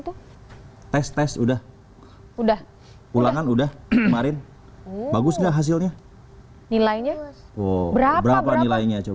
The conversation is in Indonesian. udah tes udah udah ulangan udah kemarin bagus gak hasilnya nilainya oh berapa berapa nilainya coba